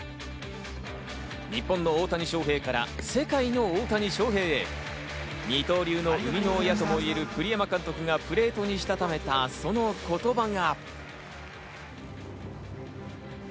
日本の大谷翔平から世界の大谷翔平へ、二刀流の生みの親ともいえる栗山監督がプレートにしたためた、その言葉が。